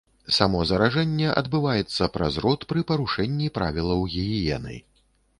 Само заражэнне адбываецца праз рот пры парушэнні правілаў гігіены.